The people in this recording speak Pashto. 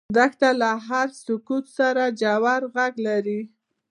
دښته له هرې سکوت سره ژور غږ لري.